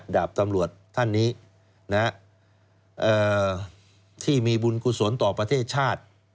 ดาบตำรวจท่านนี้ที่มีบุญกุศลต่อประเทศชาติ